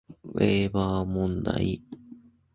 ウェーバー問題